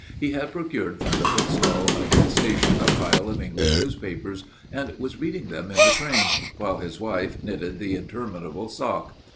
He had procured from the bookstall of a station a pile of English newspapers, and was reading them in the train, while his wife knitted the interminable sock.